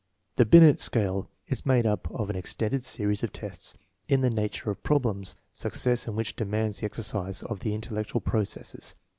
The Binet scale is made up of an extended series of tests in the nature of problems, success in which de mands the exercise of the intellectual processes.